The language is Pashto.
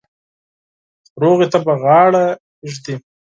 سولي ته به غاړه ایږدي.